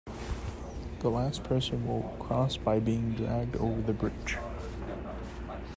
The last person will cross by being dragged over the bridge.